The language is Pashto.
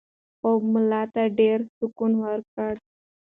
خوب ملا ته ډېر سکون ورکړ.